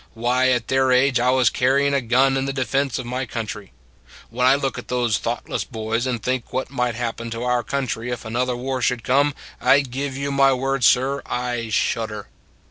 Why, at their age I was carrying a gun in the defense of my country. When I look at those thoughtless boys and think what might happen to our country if another war should come, I give you my word, sir, I shudder."